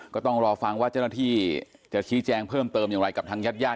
ก็ต้องรอฟังว่าจะที่จะพิจารย์เพิ่มเติมอย่างไรกับทางยาดยาด